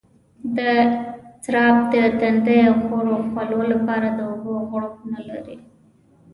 دا سراب د تنده غرو خولو لپاره د اوبو غړپ نه لري.